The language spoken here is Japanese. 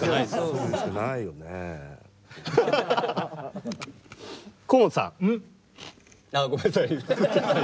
うん？あっごめんなさい。